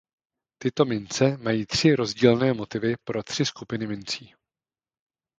Tyto mince mají tři rozdílné motivy pro tři skupiny mincí.